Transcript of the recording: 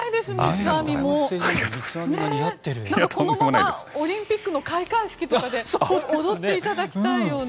そのままオリンピックの開会式とかで踊っていただきたいような。